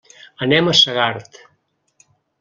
Anem a Segart.